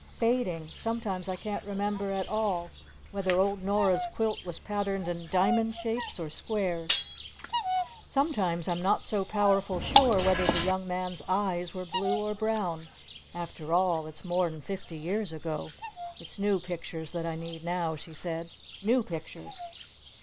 Fading! Sometimes I can't remember at all whether old Nora's quilt was patterned in diamond shapes or squares. Sometimes I'm not so powerful sure whether the young man's eye were blue or brown! After all, it's more'n fifty years ago. It's new pictures that I need now," she said. "New pictures!"